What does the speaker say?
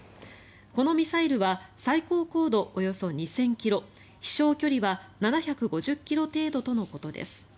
このミサイルは最高高度、およそ２０００ｋｍ飛翔距離は７５０ｋｍ程度とのことです。